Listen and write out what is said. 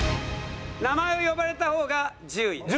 名前を呼ばれた方が１０位です。